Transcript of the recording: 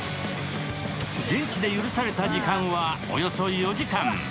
現地で許された時間はおよそ４時間。